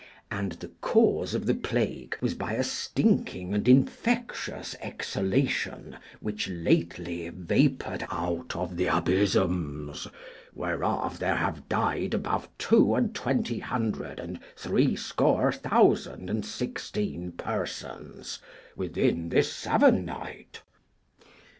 And the cause of the plague was by a stinking and infectious exhalation which lately vapoured out of the abysms, whereof there have died above two and twenty hundred and threescore thousand and sixteen persons within this sevennight.